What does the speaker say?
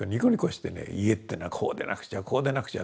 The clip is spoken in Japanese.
「家っていうのはこうでなくちゃこうでなくちゃ」って言って。